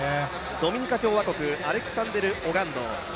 ドミニカ共和国アレクサンドル・オガンド。